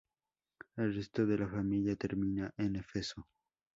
El resto de la familia terminará en Éfeso.